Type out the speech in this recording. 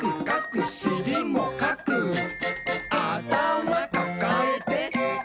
「あたまかかえて」